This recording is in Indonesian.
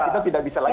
kita tidak bisa lagi